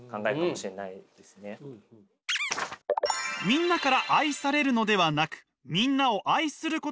みんなから愛されるのではなくみんなを愛することが大切。